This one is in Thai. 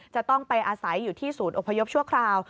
จะต้องไปอาศัยอยู่ที่ศูนย์อพยพชั่วคราว